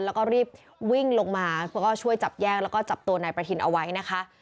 แล้วก็รีบวิ่งลงมาเพื่อช่วยจับแยกแล้วก็จับตัวนายประทินเอาไว้นะคะ